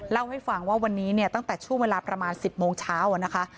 เล่าให้ฟังว่าวันนี้เนี่ยตั้งแต่ช่วงเวลาประมาณ๑๐โมงเช้านะคะ